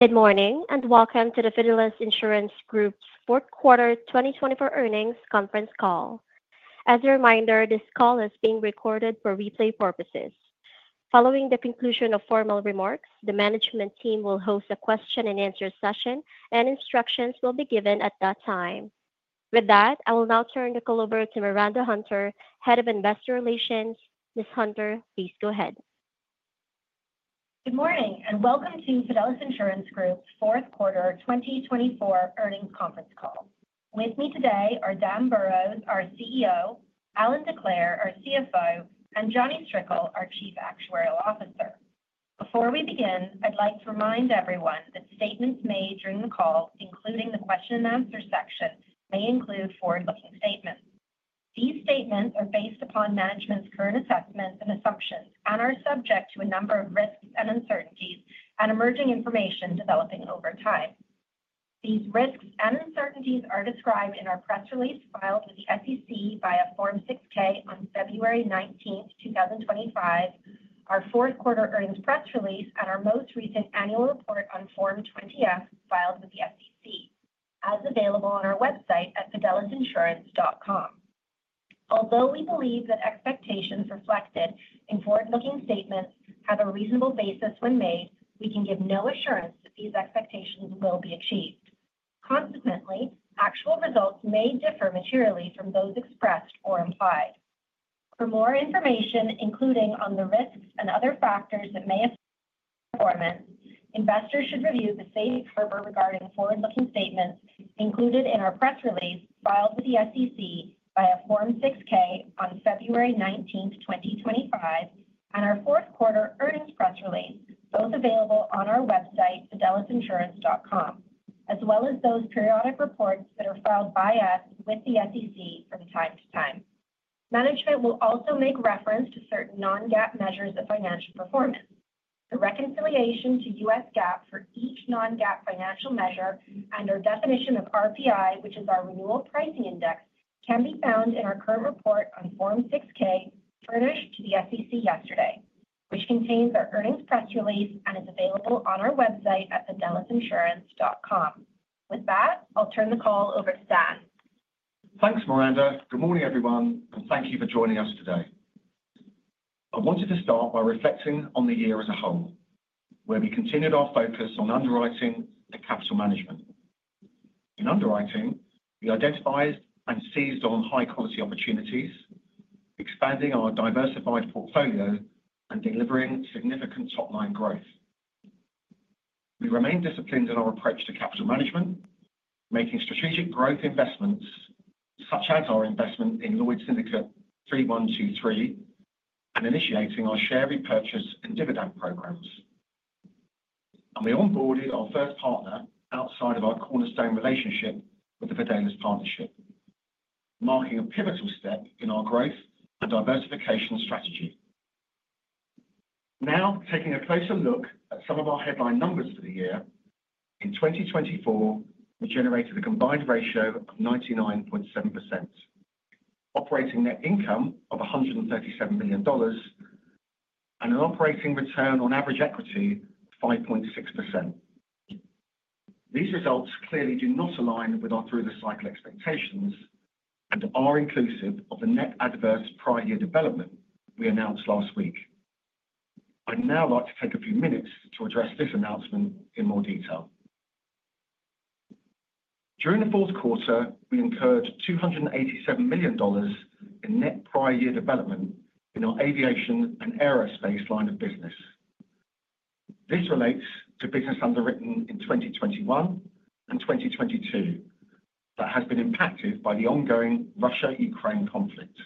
Good morning and welcome to the Fidelis Insurance Group's Q4 2024 earnings conference call. As a reminder, this call is being recorded for replay purposes. Following the conclusion of formal remarks, the management team will host a question-and-answer session, and instructions will be given at that time. With that, I will now turn the call over to Miranda Hunter, Head of Investor Relations. Ms. Hunter, please go ahead. Good morning and welcome to Fidelis Insurance Group's Q4 2024 earnings conference call. With me today are Dan Burrows, our CEO, Allan Decleir, our CFO, and Jonny Strickle, our Chief Actuarial Officer. Before we begin, I'd like to remind everyone that statements made during the call, including the question-and-answer section, may include forward-looking statements. These statements are based upon management's current assessments and assumptions and are subject to a number of risks and uncertainties and emerging information developing over time. These risks and uncertainties are described in our press release filed with the SEC via Form 6-K on February 19, 2025, our Q4 Earnings press release, and our most recent annual report on Form 20-F filed with the SEC, as available on our website at fidelisinsurance.com. Although we believe that expectations reflected in forward-looking statements have a reasonable basis when made, we can give no assurance that these expectations will be achieved. Consequently, actual results may differ materially from those expressed or implied. For more information, including on the risks and other factors that may affect performance, investors should review the safe harbor regarding forward-looking statements included in our press release filed with the SEC via Form 6-K on February 19, 2025, and our Q4 Earnings press release, both available on our website fidelisinsurance.com, as well as those periodic reports that are filed by us with the SEC from time to time. Management will also make reference to certain non-GAAP measures of financial performance. The reconciliation to US GAAP for each non-GAAP financial measure and our definition of RPI, which is our Renewal Pricing Index, can be found in our current report on Form 6-K furnished to the SEC yesterday, which contains our earnings press release and is available on our website at fidelisinsurance.com. With that, I'll turn the call over to Dan. Thanks, Miranda. Good morning, everyone, and thank you for joining us today. I wanted to start by reflecting on the year as a whole, where we continued our focus on underwriting and capital management. In underwriting, we identified and seized on high-quality opportunities, expanding our diversified portfolio and delivering significant top-line growth. We remained disciplined in our approach to capital management, making strategic growth investments such as our investment in Lloyd's Syndicate 3123 and initiating our share repurchase and dividend programs, and we onboarded our first partner outside of our cornerstone relationship with The Fidelis Partnership, marking a pivotal step in our growth and diversification strategy. Now, taking a closer look at some of our headline numbers for the year, in 2024, we generated a combined ratio of 99.7%, operating net income of $137 million, and an operating return on average equity of 5.6%. These results clearly do not align with our through-the-cycle expectations and are inclusive of the net adverse prior-year development we announced last week. I'd now like to take a few minutes to address this announcement in more detail. During the Q4, we incurred $287 million in net prior-year development in our Aviation and Aerospace line of business. This relates to business underwritten in 2021 and 2022 that has been impacted by the ongoing Russia-Ukraine conflict.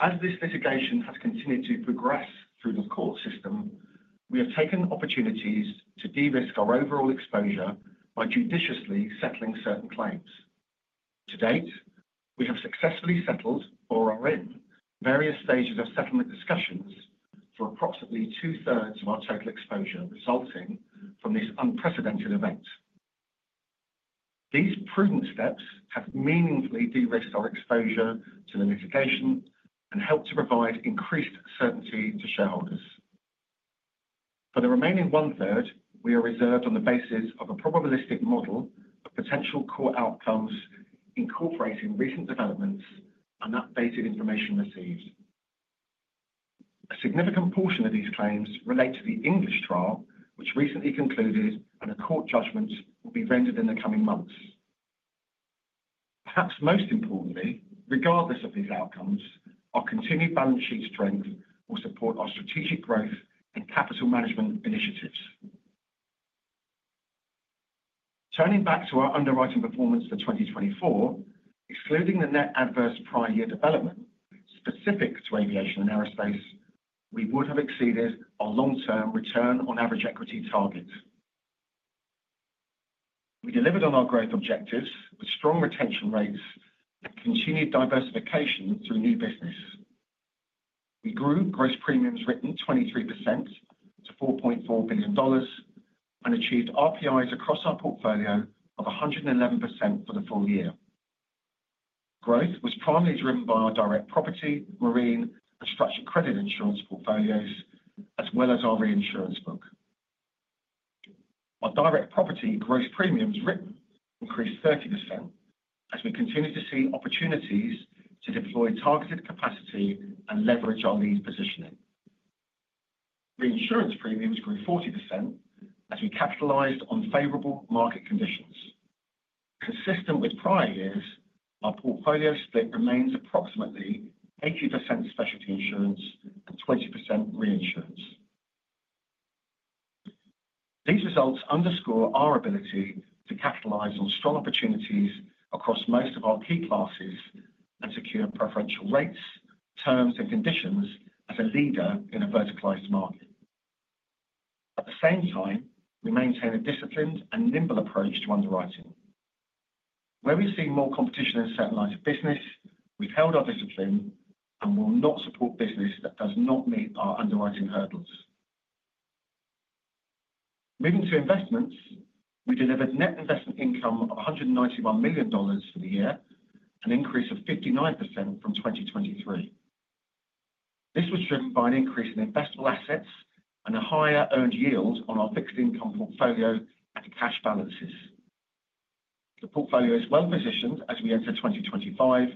As this litigation has continued to progress through the court system, we have taken opportunities to de-risk our overall exposure by judiciously settling certain claims. To date, we have successfully settled, or are in, various stages of settlement discussions for approximately two-thirds of our total exposure resulting from this unprecedented event. These prudent steps have meaningfully de-risked our exposure to the litigation and helped to provide increased certainty to shareholders. For the remaining one-third, we are reserved on the basis of a probabilistic model of potential court outcomes incorporating recent developments and updated information received. A significant portion of these claims relate to the English trial, which recently concluded, and a court judgment will be rendered in the coming months. Perhaps most importantly, regardless of these outcomes, our continued balance sheet strength will support our strategic growth and capital management initiatives. Turning back to our underwriting performance for 2024, excluding the net adverse prior-year development specific to Aviation and Aerospace, we would have exceeded our long-term return on average equity target. We delivered on our growth objectives with strong retention rates and continued diversification through new business. We grew gross premiums written 23% to $4.4 billion and achieved RPIs across our portfolio of 111% for the full year. Growth was primarily driven by our Direct Property, Marine, and Structured Credit insurance portfolios, as well as our Reinsurance book. Our Direct Property gross premiums written increased 30% as we continued to see opportunities to deploy targeted capacity and leverage our lead positioning. Reinsurance premiums grew 40% as we capitalized on favorable market conditions. Consistent with prior years, our portfolio split remains approximately 80% Specialty Insurance and 20% Reinsurance. These results underscore our ability to capitalize on strong opportunities across most of our key classes and secure preferential rates, terms, and conditions as a leader in a verticalized market. At the same time, we maintain a disciplined and nimble approach to underwriting. Where we've seen more competition in certain lines of business, we've held our discipline and will not support business that does not meet our underwriting hurdles. Moving to investments, we delivered net investment income of $191 million for the year, an increase of 59% from 2023. This was driven by an increase in investable assets and a higher earned yield on our fixed income portfolio and cash balances. The portfolio is well positioned as we enter 2025,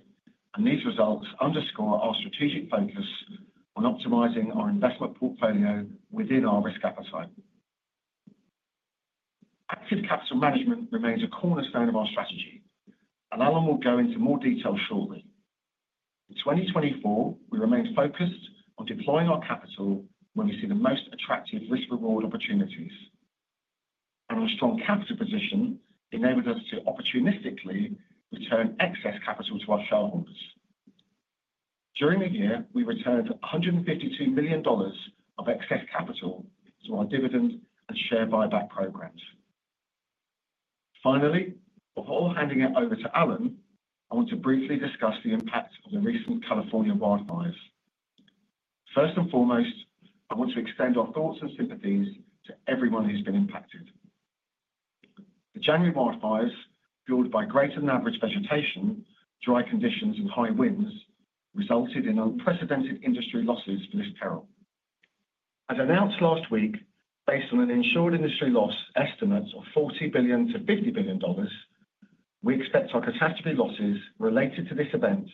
and these results underscore our strategic focus on optimizing our investment portfolio within our risk appetite. Active capital management remains a cornerstone of our strategy, and Allan will go into more detail shortly. In 2024, we remained focused on deploying our capital when we see the most attractive risk-reward opportunities, and our strong capital position enabled us to opportunistically return excess capital to our shareholders. During the year, we returned $152 million of excess capital through our dividend and share buyback programs. Finally, before handing it over to Allan, I want to briefly discuss the impact of the recent California wildfires. First and foremost, I want to extend our thoughts and sympathies to everyone who's been impacted. The January wildfires, fueled by greater-than-average vegetation, dry conditions, and high winds, resulted in unprecedented industry losses for this peril. As announced last week, based on an insured industry loss estimate of $40 billion-$50 billion, we expect our catastrophe losses related to this event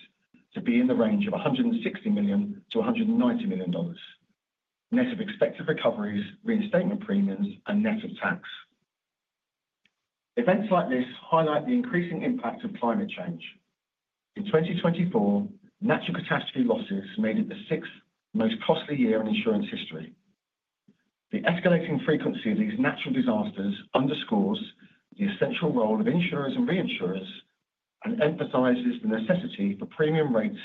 to be in the range of $160 million-$190 million, net of expected recoveries, reinstatement premiums, and net of tax. Events like this highlight the increasing impact of climate change. In 2024, natural catastrophe losses made it the sixth most costly year in insurance history. The escalating frequency of these natural disasters underscores the essential role of insurers and reinsurers and emphasizes the necessity for premium rates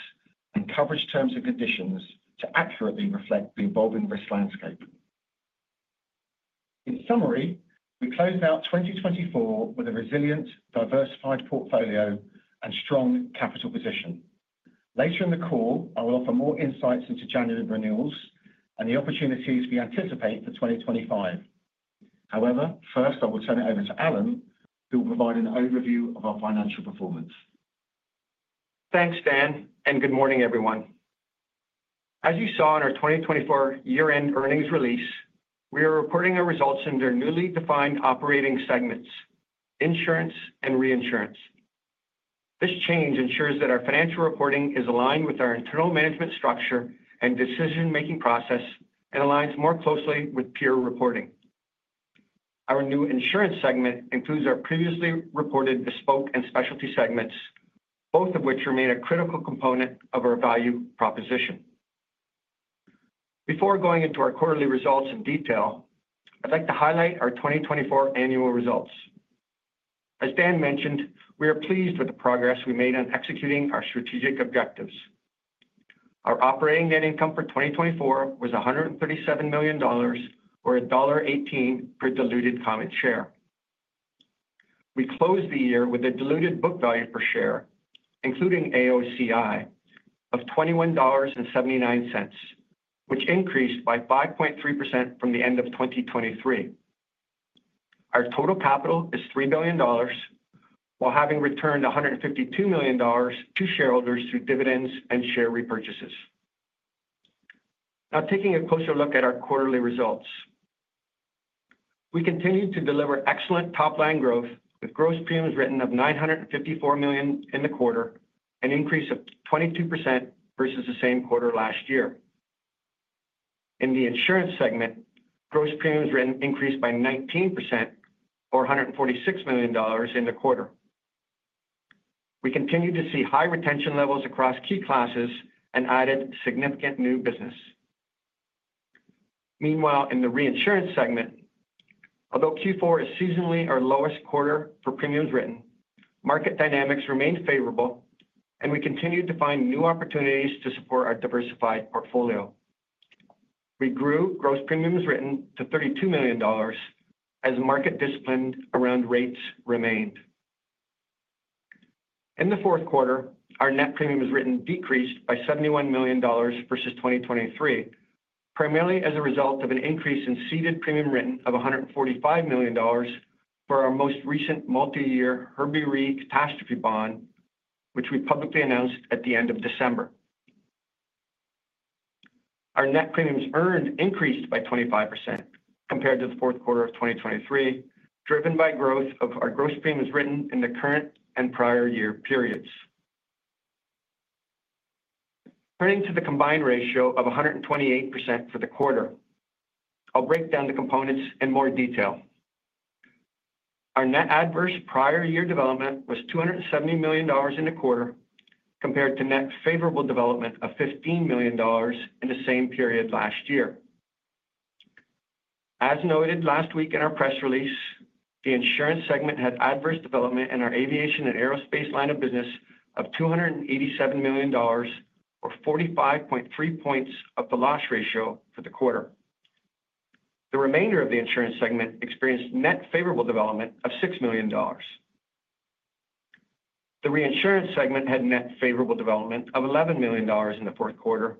and coverage terms and conditions to accurately reflect the evolving risk landscape. In summary, we closed out 2024 with a resilient, diversified portfolio and strong capital position. Later in the call, I will offer more insights into January renewals and the opportunities we anticipate for 2025. However, first, I will turn it over to Allan, who will provide an overview of our financial performance. Thanks, Dan, and good morning, everyone. As you saw in our 2024 year-end earnings release, we are reporting our results under newly defined operating segments: Insurance and Reinsurance. This change ensures that our financial reporting is aligned with our internal management structure and decision-making process and aligns more closely with peer reporting. Our new Insurance segment includes our previously reported Bespoke and Specialty segments, both of which remain a critical component of our value proposition. Before going into our quarterly results in detail, I'd like to highlight our 2024 annual results. As Dan mentioned, we are pleased with the progress we made on executing our strategic objectives. Our operating net income for 2024 was $137 million, or $1.18 per diluted common share. We closed the year with a diluted book value per share, including AOCI, of $21.79, which increased by 5.3% from the end of 2023. Our total capital is $3 billion, while having returned $152 million to shareholders through dividends and share repurchases. Now, taking a closer look at our quarterly results, we continue to deliver excellent top-line growth with gross premiums written of $954 million in the quarter, an increase of 22% versus the same quarter last year. In the Insurance segment, gross premiums written increased by 19%, or $146 million in the quarter. We continue to see high retention levels across key classes and added significant new business. Meanwhile, in the Reinsurance segment, although Q4 is seasonally our lowest quarter for premiums written, market dynamics remained favorable, and we continued to find new opportunities to support our diversified portfolio. We grew gross premiums written to $32 million as market discipline around rates remained. In the Q4, our net premiums written decreased by $71 million versus 2023, primarily as a result of an increase in ceded premiums written of $145 million for our most recent multi-year Herbie Re catastrophe bond, which we publicly announced at the end of December. Our net premiums earned increased by 25% compared to the Q4 of 2023, driven by growth of our gross premiums written in the current and prior year periods. Turning to the combined ratio of 128% for the quarter, I'll break down the components in more detail. Our net adverse prior-year development was $270 million in the quarter compared to net favorable development of $15 million in the same period last year. As noted last week in our press release, the Insurance segment had adverse development in our Aviation and Aerospace line of business of $287 million, or 45.3 points of the loss ratio for the quarter. The remainder of the Insurance segment experienced net favorable development of $6 million. The Reinsurance segment had net favorable development of $11 million in the Q4,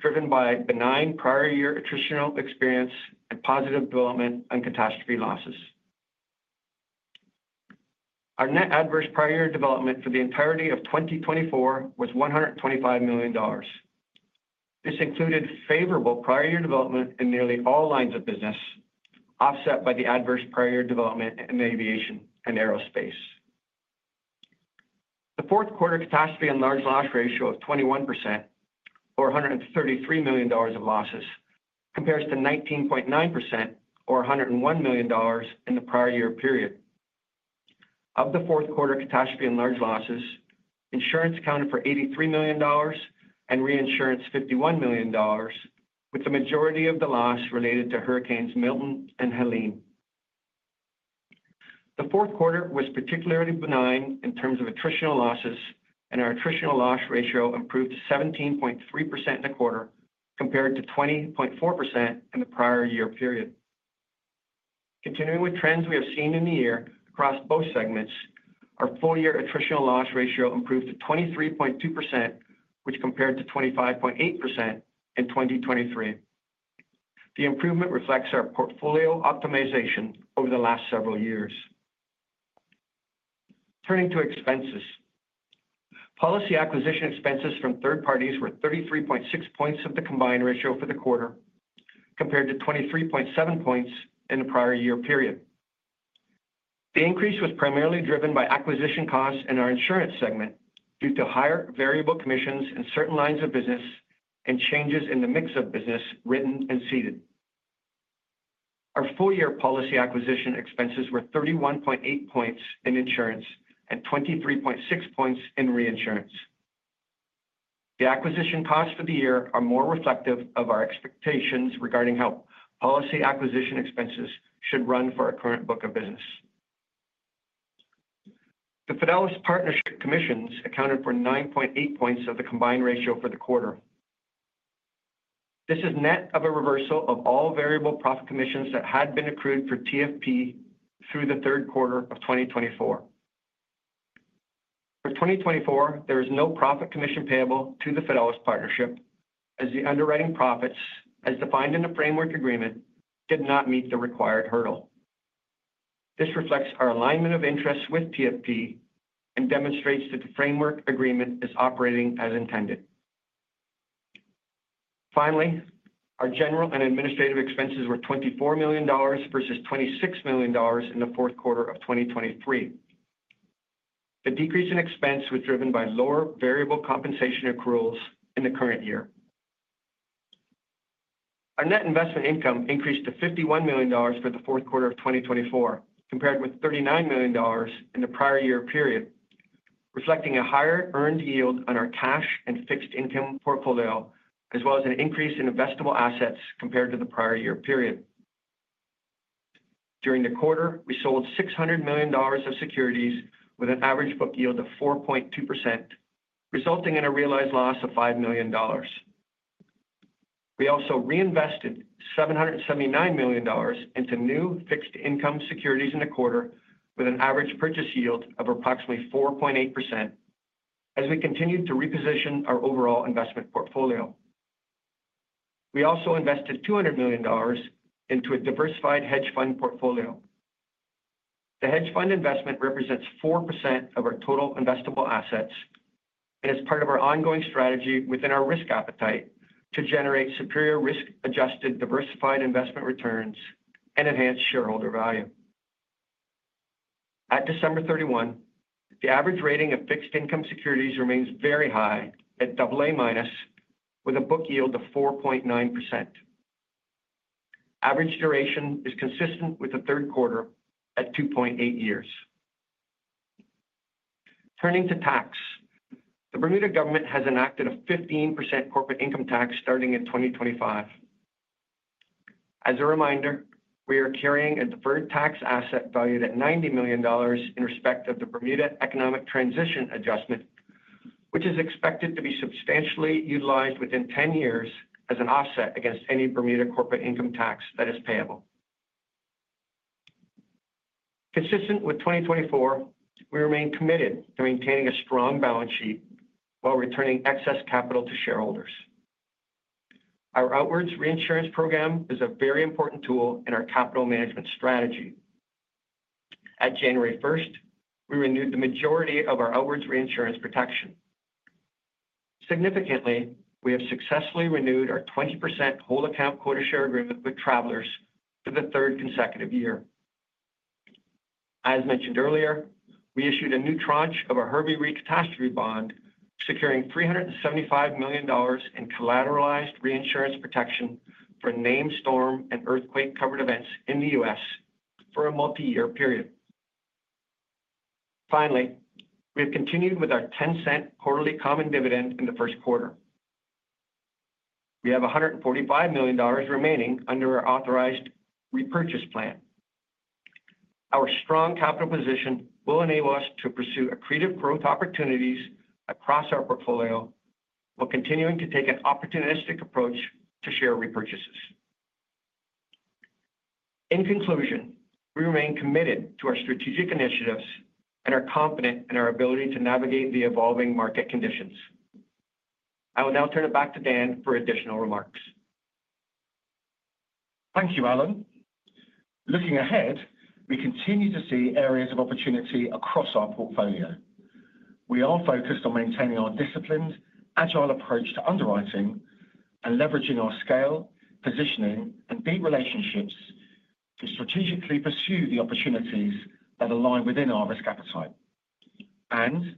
driven by benign prior-year attritional experience and positive development on catastrophe losses. Our net adverse prior-year development for the entirety of 2024 was $125 million. This included favorable prior-year development in nearly all lines of business, offset by the adverse prior-year development in Aviation and Aerospace. The Q4 catastrophe and large loss ratio of 21%, or $133 million of losses, compares to 19.9%, or $101 million in the prior-year period. Of the Q4 catastrophe and large losses, Insurance accounted for $83 million and Reinsurance $51 million, with the majority of the loss related to Hurricanes Milton and Helene. The Q4 was particularly benign in terms of attritional losses, and our attritional loss ratio improved to 17.3% in the quarter compared to 20.4% in the prior-year period. Continuing with trends we have seen in the year across both segments, our full-year attritional loss ratio improved to 23.2%, which compared to 25.8% in 2023. The improvement reflects our portfolio optimization over the last several years. Turning to expenses, policy acquisition expenses from third parties were 33.6 points of the combined ratio for the quarter compared to 23.7 points in the prior-year period. The increase was primarily driven by acquisition costs in our Insurance segment due to higher variable commissions in certain lines of business and changes in the mix of business written and ceded. Our full-year policy acquisition expenses were 31.8 points in Insurance and 23.6 points in Reinsurance. The acquisition costs for the year are more reflective of our expectations regarding how policy acquisition expenses should run for our current book of business. The Fidelis Partnership commissions accounted for 9.8 points of the combined ratio for the quarter. This is net of a reversal of all variable profit commissions that had been accrued for TFP through the Q3 of 2024. For 2024, there is no profit commission payable to The Fidelis Partnership as the underwriting profits, as defined in the framework agreement, did not meet the required hurdle. This reflects our alignment of interest with TFP and demonstrates that the framework agreement is operating as intended. Finally, our general and administrative expenses were $24 million versus $26 million in the Q4 of 2023. The decrease in expense was driven by lower variable compensation accruals in the current year. Our net investment income increased to $51 million for the Q4 of 2024 compared with $39 million in the prior-year period, reflecting a higher earned yield on our cash and fixed income portfolio, as well as an increase in investable assets compared to the prior-year period. During the quarter, we sold $600 million of securities with an average book yield of 4.2%, resulting in a realized loss of $5 million. We also reinvested $779 million into new fixed income securities in the quarter with an average purchase yield of approximately 4.8% as we continued to reposition our overall investment portfolio. We also invested $200 million into a diversified hedge fund portfolio. The hedge fund investment represents 4% of our total investable assets and is part of our ongoing strategy within our risk appetite to generate superior risk-adjusted diversified investment returns and enhanced shareholder value. At December 31, the average rating of fixed income securities remains very high at AA minus, with a book yield of 4.9%. Average duration is consistent with the Q3 at 2.8 years. Turning to tax, the Bermuda government has enacted a 15% corporate income tax starting in 2025. As a reminder, we are carrying a deferred tax asset valued at $90 million in respect of the Bermuda Economic Transition Adjustment, which is expected to be substantially utilized within 10 years as an offset against any Bermuda corporate income tax that is payable. Consistent with 2024, we remain committed to maintaining a strong balance sheet while returning excess capital to shareholders. Our outwards Reinsurance program is a very important tool in our capital management strategy. At January 1st, we renewed the majority of our outwards Reinsurance protection. Significantly, we have successfully renewed our 20% whole account quota share agreement with Travelers for the third consecutive year. As mentioned earlier, we issued a new tranche of our Herbie Re catastrophe bond, securing $375 million in collateralized Reinsurance protection for named storm and earthquake-covered events in the U.S. for a multi-year period. Finally, we have continued with our $0.10 quarterly common dividend in the Q1. We have $145 million remaining under our authorized repurchase plan. Our strong capital position will enable us to pursue accretive growth opportunities across our portfolio while continuing to take an opportunistic approach to share repurchases. In conclusion, we remain committed to our strategic initiatives and are confident in our ability to navigate the evolving market conditions. I will now turn it back to Dan for additional remarks. Thank you, Allan. Looking ahead, we continue to see areas of opportunity across our portfolio. We are focused on maintaining our disciplined, agile approach to underwriting and leveraging our scale, positioning, and deep relationships to strategically pursue the opportunities that align within our risk appetite. And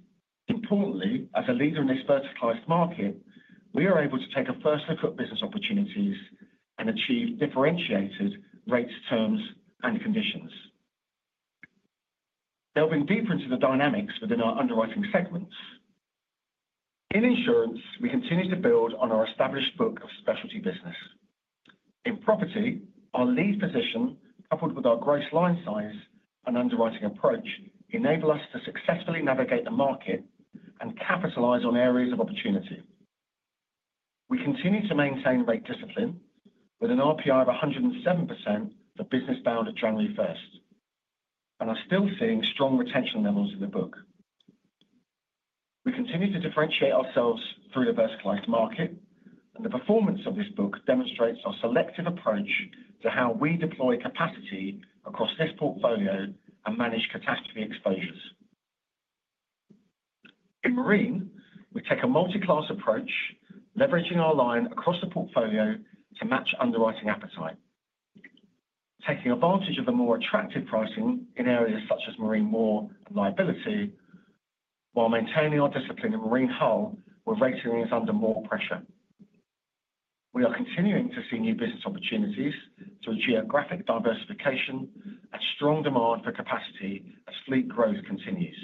importantly, as a leader in this versatile market, we are able to take a first look at business opportunities and achieve differentiated rates, terms, and conditions. Delving deeper into the dynamics within our underwriting segments, in Insurance, we continue to build on our established book of Specialty Business. In property, our lead position, coupled with our gross line size and underwriting approach, enables us to successfully navigate the market and capitalize on areas of opportunity. We continue to maintain rate discipline with an RPI of 107% for business bound at January 1st, and are still seeing strong retention levels in the book. We continue to differentiate ourselves through a diversified market, and the performance of this book demonstrates our selective approach to how we deploy capacity across this portfolio and manage catastrophe exposures. In Marine, we take a multi-class approach, leveraging our line across the portfolio to match underwriting appetite, taking advantage of the more attractive pricing in areas such as Marine War and Liability, while maintaining our discipline in Marine Hull where rating is under more pressure. We are continuing to see new business opportunities through geographic diversification and strong demand for capacity as fleet growth continues.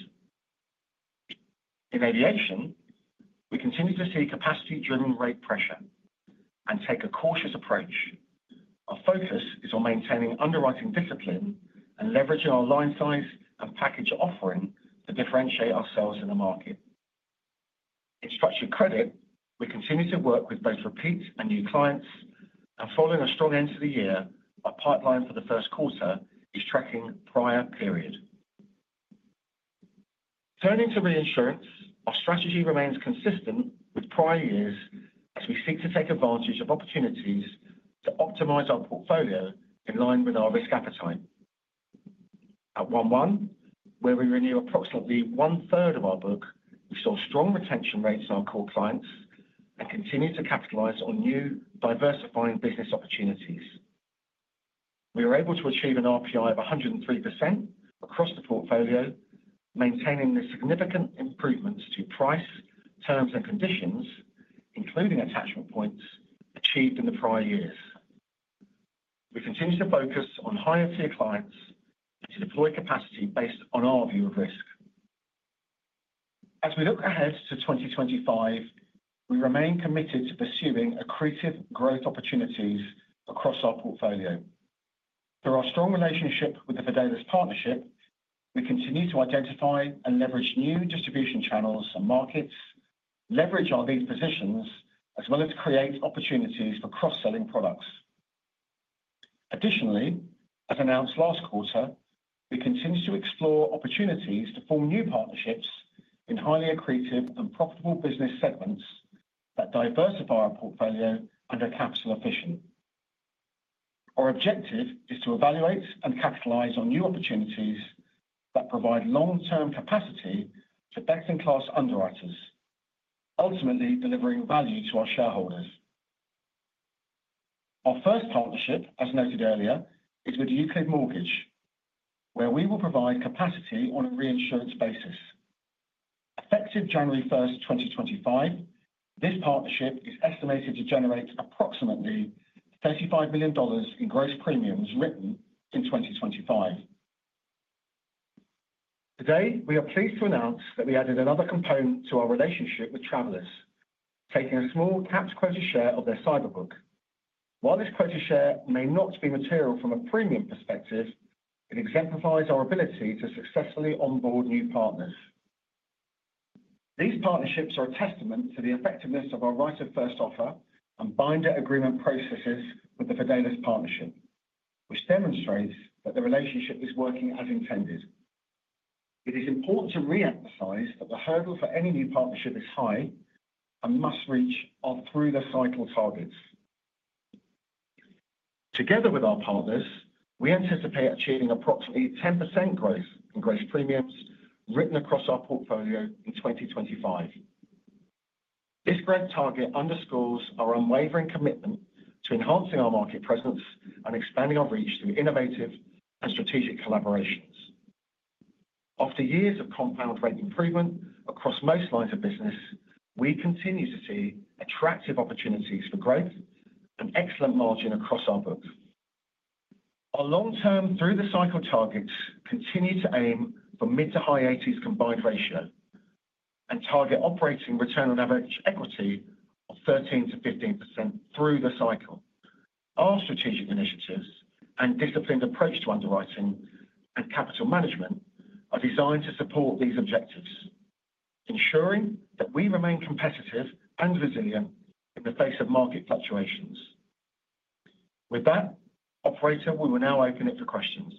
In Aviation, we continue to see capacity-driven rate pressure and take a cautious approach. Our focus is on maintaining underwriting discipline and leveraging our line size and package offering to differentiate ourselves in the market. In Structured Credit, we continue to work with both repeats and new clients, and following a strong end to the year, our pipeline for the Q1 is tracking prior period. Turning to Reinsurance, our strategy remains consistent with prior years as we seek to take advantage of opportunities to optimize our portfolio in line with our risk appetite. At 1/1, where we renew approximately one-third of our book, we saw strong retention rates in our core clients and continue to capitalize on new diversifying business opportunities. We are able to achieve an RPI of 103% across the portfolio, maintaining the significant improvements to price, terms, and conditions, including attachment points achieved in the prior years. We continue to focus on higher-tier clients and to deploy capacity based on our view of risk. As we look ahead to 2025, we remain committed to pursuing accretive growth opportunities across our portfolio. Through our strong relationship with The Fidelis Partnership, we continue to identify and leverage new distribution channels and markets, leverage our lead positions, as well as create opportunities for cross-selling products. Additionally, as announced last quarter, we continue to explore opportunities to form new partnerships in highly accretive and profitable business segments that diversify our portfolio under capital efficient. Our objective is to evaluate and capitalize on new opportunities that provide long-term capacity for best-in-class underwriters, ultimately delivering value to our shareholders. Our first partnership, as noted earlier, is with Euclid Mortgage, where we will provide capacity on a Reinsurance basis. Effective January 1st, 2025, this partnership is estimated to generate approximately $35 million in gross premiums written in 2025. Today, we are pleased to announce that we added another component to our relationship with Travelers, taking a small capped quota share of their cyber book. While this quota share may not be material from a premium perspective, it exemplifies our ability to successfully onboard new partners. These partnerships are a testament to the effectiveness of our right of first offer and binder agreement processes with The Fidelis Partnership, which demonstrates that the relationship is working as intended. It is important to reemphasize that the hurdle for any new partnership is high and must reach through the cycle targets. Together with our partners, we anticipate achieving approximately 10% growth in gross premiums written across our portfolio in 2025. This growth target underscores our unwavering commitment to enhancing our market presence and expanding our reach through innovative and strategic collaborations. After years of compound rate improvement across most lines of business, we continue to see attractive opportunities for growth and excellent margin across our book. Our long-term through-the-cycle targets continue to aim for mid to high 80s combined ratio and target operating return on average equity of 13%-15% through the cycle. Our strategic initiatives and disciplined approach to underwriting and capital management are designed to support these objectives, ensuring that we remain competitive and resilient in the face of market fluctuations. With that, Operator, we will now open it for questions.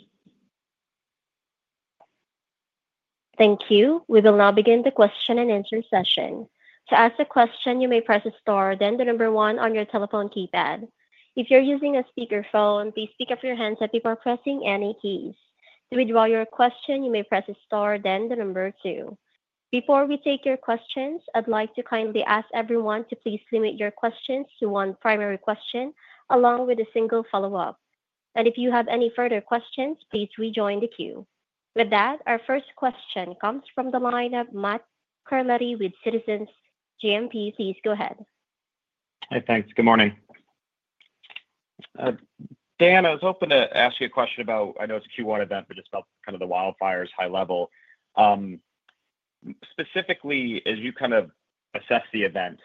Thank you. We will now begin the question and answer session. To ask a question, you may press star, then the number one on your telephone keypad. If you're using a speakerphone, please pick up your handset before pressing any keys. To withdraw your question, you may press a star, then the number two. Before we take your questions, I'd like to kindly ask everyone to please limit your questions to one primary question along with a single follow-up, and if you have any further questions, please rejoin the queue. With that, our first question comes from the line of Matt Carletti with Citizens JMP. Please go ahead. Hey, thanks. Good morning. Dan, I was hoping to ask you a question about, I know it's a Q1 event, but just about kind of the wildfires high level. Specifically, as you kind of assess the event,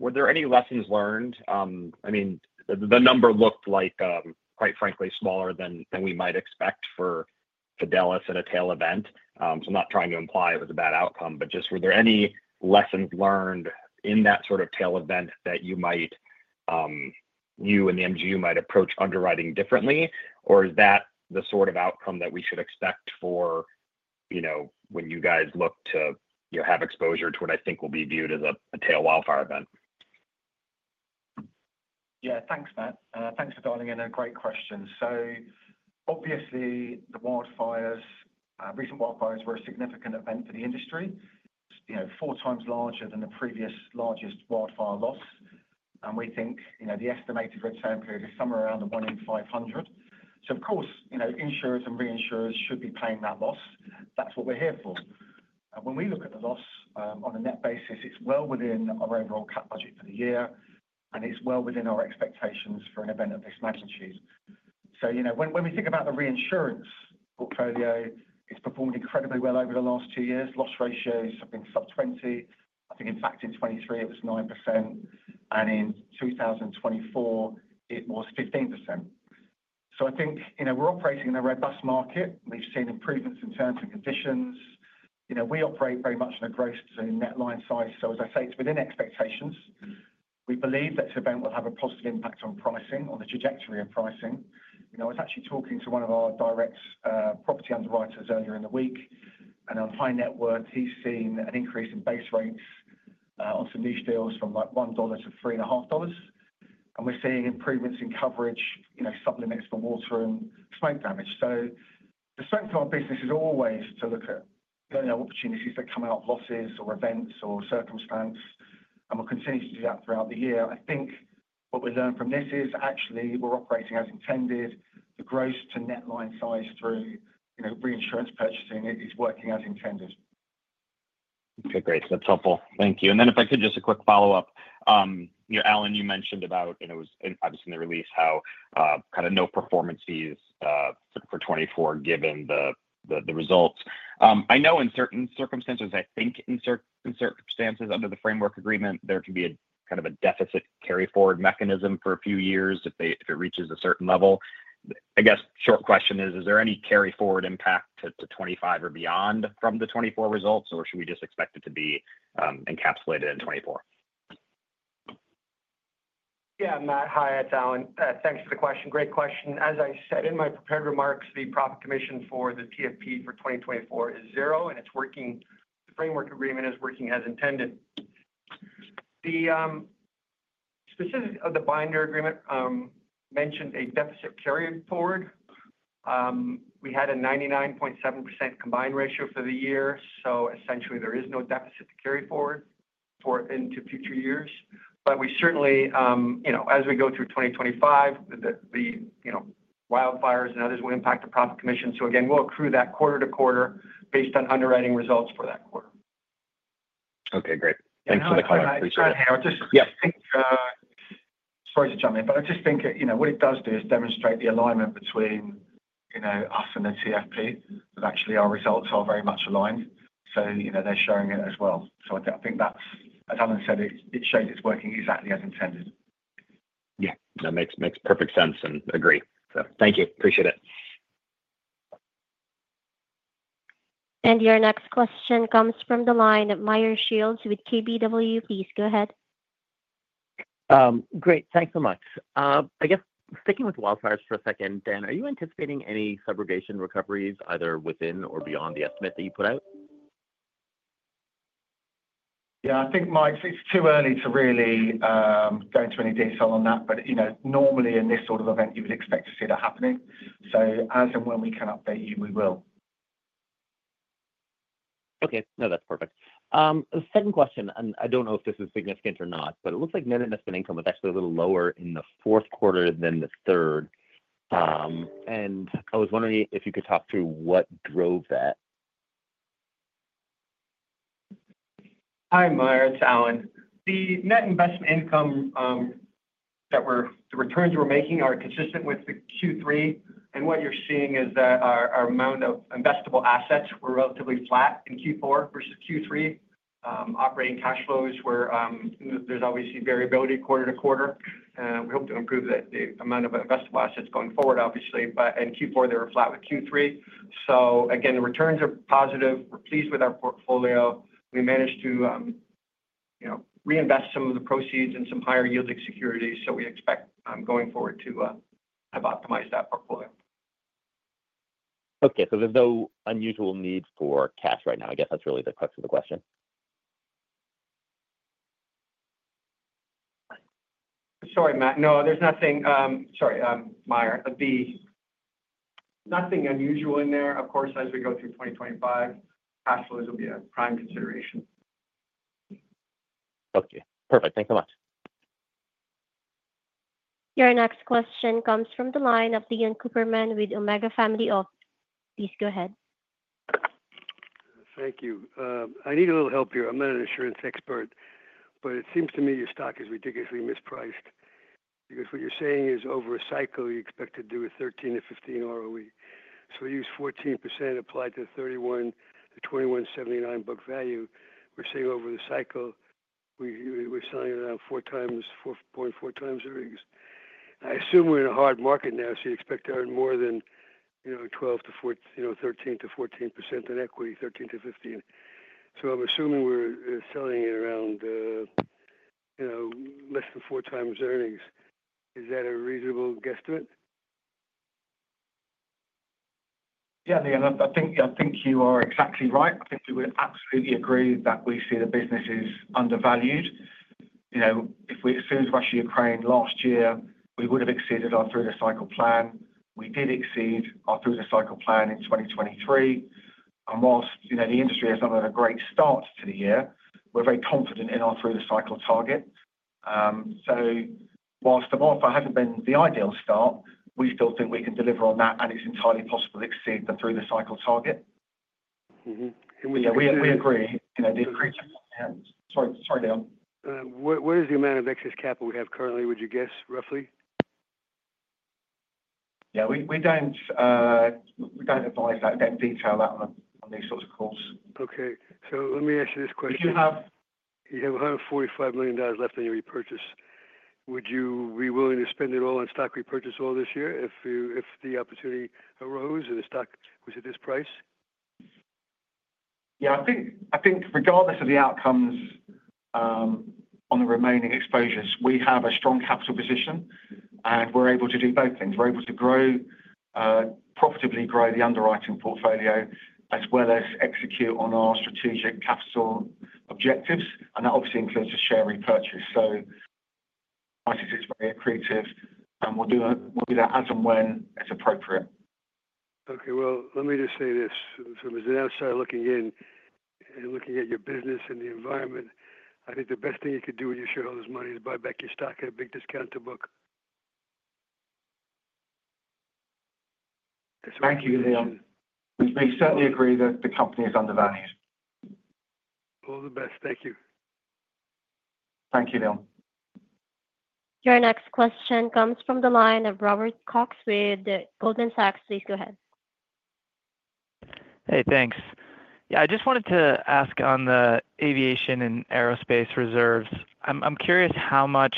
were there any lessons learned? I mean, the number looked like, quite frankly, smaller than we might expect for Fidelis at a tail event. So I'm not trying to imply it was a bad outcome, but just were there any lessons learned in that sort of tail event that you and the MGU might approach underwriting differently? Or is that the sort of outcome that we should expect for when you guys look to have exposure to what I think will be viewed as a tail wildfire event? Yeah, thanks, Matt. Thanks for dialing in. A great question. So obviously, the recent wildfires were a significant event for the industry, four times larger than the previous largest wildfire loss. And we think the estimated return period is somewhere around the 1 in 500. So of course, insurers and reinsurers should be paying that loss. That's what we're here for. When we look at the loss on a net basis, it's well within our overall cat budget for the year, and it's well within our expectations for an event of this magnitude. So when we think about the Reinsurance portfolio, it's performed incredibly well over the last two years. Loss ratios have been sub-20. I think, in fact, in 2023, it was 9%, and in 2024, it was 15%. So I think we're operating in a robust market. We've seen improvements in terms and conditions. We operate very much on a gross to net line size. So as I say, it's within expectations. We believe that this event will have a positive impact on pricing, on the trajectory of pricing. I was actually talking to one of our Direct Property underwriters earlier in the week, and on high net worth, he's seen an increase in base rates on some new deals from like $1 to $3.5. And we're seeing improvements in coverage, sub-limits for water and smoke damage. So the strength of our business is always to look at opportunities that come out of losses or events or circumstance, and we'll continue to do that throughout the year. I think what we learn from this is actually we're operating as intended. The gross to net line size through Reinsurance purchasing is working as intended. Okay, great. That's helpful. Thank you. And then if I could just a quick follow-up, Allan, you mentioned about, obviously, in the release, how kind of no performance fees for 2024 given the results. I know in certain circumstances, I think in certain circumstances under the framework agreement, there can be a kind of a deficit carry-forward mechanism for a few years if it reaches a certain level. I guess short question is, is there any carry-forward impact to 2025 or beyond from the 2024 results, or should we just expect it to be encapsulated in 2024? Yeah, Matt. Hi, it's Allan. Thanks for the question. Great question. As I said in my prepared remarks, the profit commission for the TFP for 2024 is zero, and the framework agreement is working as intended. Specifically, the binder agreement mentioned a deficit carry-forward. We had a 99.7% combined ratio for the year, so essentially there is no deficit to carry forward into future years. But we certainly, as we go through 2025, the wildfires and others will impact the profit commission. So again, we'll accrue that quarter to quarter based on underwriting results for that quarter. Okay, great. Thanks for the comment. Sorry, to jump in, but I just think what it does do is demonstrate the alignment between us and the TFP that actually our results are very much aligned. So they're showing it as well. So I think that's, as Allan said, it shows it's working exactly as intended. Yeah, that makes perfect sense and agree. So thank you. Appreciate it. And your next question comes from the line of Meyer Shields with KBW. Please go ahead. Great. Thanks so much. I guess sticking with wildfires for a second, Dan, are you anticipating any subrogation recoveries either within or beyond the estimate that you put out? Yeah, I think, Meyer, it's too early to really go into any detail on that, but normally in this sort of event, you would expect to see that happening. So as and when we can update you, we will. Okay. No, that's perfect. The second question, and I don't know if this is significant or not, but it looks like net investment income was actually a little lower in the Q4 than the third. And I was wondering if you could talk through what drove that. Hi, Meyer. It's Allan. The net investment income that we're—the returns we're making are consistent with the Q3. And what you're seeing is that our amount of investable assets were relatively flat in Q4 versus Q3. Operating cash flows, there's obviously variability quarter to quarter. We hope to improve the amount of investable assets going forward, obviously. But in Q4, they were flat with Q3. So again, the returns are positive. We're pleased with our portfolio. We managed to reinvest some of the proceeds in some higher-yielding securities, so we expect going forward to have optimized that portfolio. Okay. So there's no unusual need for cash right now. I guess that's really the crux of the question. Sorry, Matt. No, there's nothing, sorry, Meyer. Nothing unusual in there. Of course, as we go through 2025, cash flows will be a prime consideration. Okay. Perfect. Thanks so much. Your next question comes from the line of Leon Cooperman with Omega Family Office. Please go ahead. Thank you. I need a little help here. I'm not an insurance expert, but it seems to me your stock is ridiculously mispriced because what you're saying is over a cycle you expect to do a 13%-15% ROE. So we use 14% applied to 31 to $21.79 book value. We're seeing over the cycle we're selling it around 4.4 times the rigs. I assume we're in a hard market now, so you expect to earn more than 12%-13%-14% on equity, 13%-15%. So I'm assuming we're selling at around less than 4 times earnings. Is that a reasonable guesstimate? Yeah, I think you are exactly right. I think we would absolutely agree that we see the business is undervalued. As soon as Russia-Ukraine last year, we would have exceeded our through-the-cycle plan. We did exceed our through-the-cycle plan in 2023. And while the industry has not had a great start to the year, we're very confident in our through-the-cycle target. So while the wildfire hasn't been the ideal start, we still think we can deliver on that, and it's entirely possible to exceed the through-the-cycle target. Yeah, we agree. Sorry, Dan. What is the amount of excess capital we have currently, would you guess, roughly? Yeah, we don't advise that detail on these sorts of calls. Okay, so let me ask you this question. You have $145 million left on your repurchase. Would you be willing to spend it all on stock repurchase all this year if the opportunity arose and the stock was at this price? Yeah, I think regardless of the outcomes on the remaining exposures, we have a strong capital position, and we're able to do both things. We're able to profitably grow the underwriting portfolio as well as execute on our strategic capital objectives and that obviously includes a share repurchase so it's very accretive, and we'll do that as and when it's appropriate. Okay, well, let me just say this. From an outsider looking in and looking at your business and the environment, I think the best thing you could do with your shareholders' money is buy back your stock at a big discount to book. Thank you, Lee. We certainly agree that the company is undervalued. All the best. Thank you. Thank you, then. Your next question comes from the line of Robert Cox with Goldman Sachs. Please go ahead. Hey, thanks. Yeah, I just wanted to ask on the Aviation and Aerospace reserves. I'm curious how much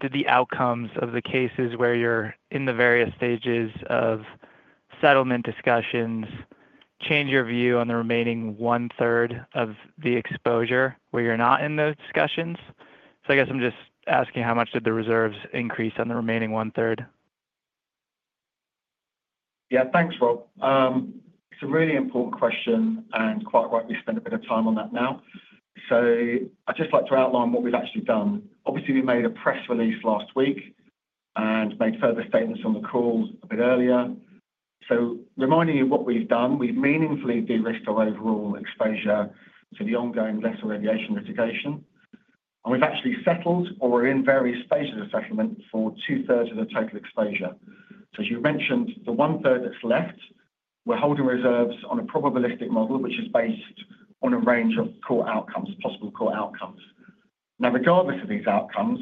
did the outcomes of the cases where you're in the various stages of settlement discussions change your view on the remaining one-third of the exposure where you're not in those discussions? So I guess I'm just asking how much did the reserves increase on the remaining one-third? Yeah, thanks, Rob. It's a really important question, and quite right, we spend a bit of time on that now. So I'd just like to outline what we've actually done. Obviously, we made a press release last week and made further statements on the call a bit earlier. So reminding you of what we've done, we've meaningfully de-risked our overall exposure to the ongoing Russian aviation litigation. And we've actually settled or are in various stages of settlement for two-thirds of the total exposure. So as you mentioned, the one-third that's left, we're holding reserves on a probabilistic model, which is based on a range of possible court outcomes. Now, regardless of these outcomes,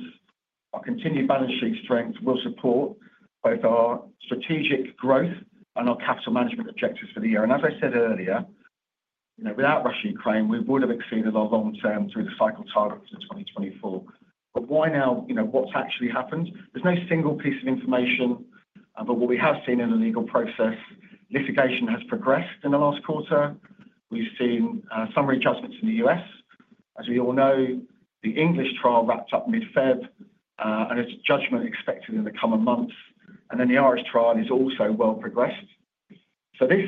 our continued balance sheet strength will support both our strategic growth and our capital management objectives for the year. As I said earlier, without Russia-Ukraine, we would have exceeded our long-term through the cycle target for 2024. But why now? What's actually happened? There's no single piece of information, but what we have seen in the legal process, litigation has progressed in the last quarter. We've seen summary judgments in the U.S. As we all know, the English trial wrapped up mid-February, and it's a judgment expected in the coming months. And then the Irish trial is also well progressed. So this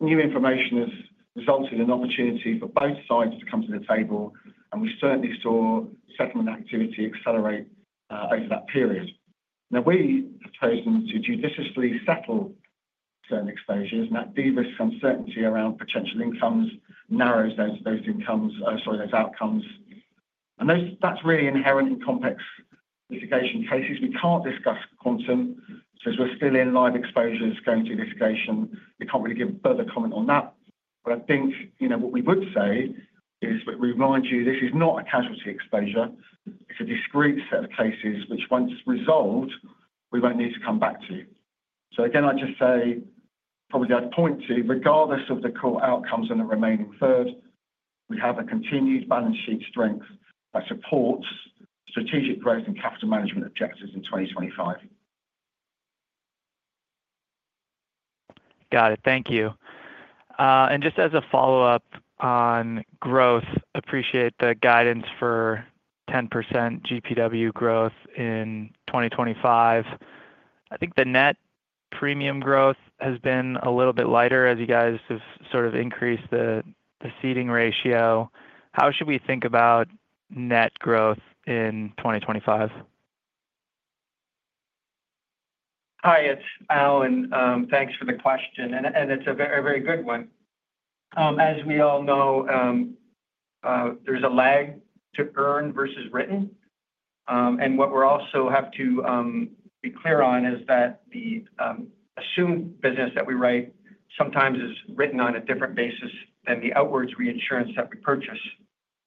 new information has resulted in an opportunity for both sides to come to the table, and we certainly saw settlement activity accelerate over that period. Now, we have chosen to judiciously settle certain exposures, and that de-risk uncertainty around potential outcomes narrows those outcomes. And that's really inherent in complex litigation cases. We can't discuss quantum. Since we're still in live exposures going through litigation, we can't really give further comment on that. But I think what we would say is, we remind you, this is not a casualty exposure. It's a discrete set of cases which, once resolved, we won't need to come back to. So again, I'd just say, probably I'd point to, regardless of the core outcomes and the remaining third, we have a continued balance sheet strength that supports strategic growth and capital management objectives in 2025. Got it. Thank you. And just as a follow-up on growth, appreciate the guidance for 10% GPW growth in 2025. I think the net premium growth has been a little bit lighter as you guys have sort of increased the ceding ratio. How should we think about net growth in 2025? Hi, it's Allan. Thanks for the question, and it's a very good one. As we all know, there's a lag to earn versus written. And what we also have to be clear on is that the assumed business that we write sometimes is written on a different basis than the outwards Reinsurance that we purchase.